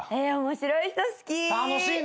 面白い人好き。